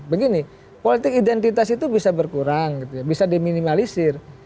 begini politik identitas itu bisa berkurang bisa diminimalisir